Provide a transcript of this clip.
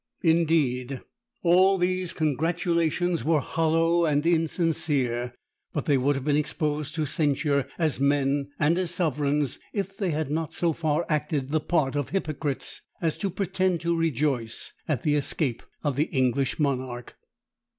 Indeed, all these congratulations were hollow and insincere; but they would have been exposed to censure as men and as sovereigns, if they had not so far acted the part of hypocrites as to pretend to rejoice at the escape of the English monarch.